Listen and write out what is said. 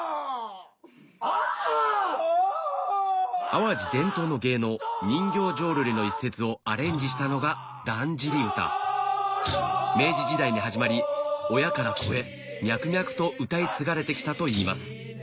淡路伝統の芸能人形浄瑠璃の一節をアレンジしたのがだんじり唄明治時代に始まり親から子へ脈々と歌い継がれてきたといいます